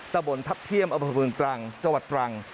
ตะบลทับเที่ยมออบดตรังจตรัง